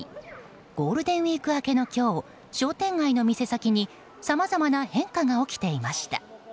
ゴールデンウィーク明けの今日商店街の店先にさまざまな変化が起きていました。